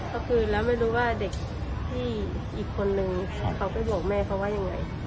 ก็คือแล้วไม่รู้ว่าเด็กที่อีกคนนึงเขาไปบอกแม่เขาว่ายังไง